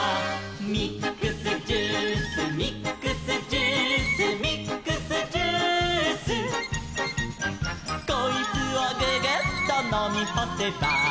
「ミックスジュースミックスジュース」「ミックスジュース」「こいつをググッとのみほせば」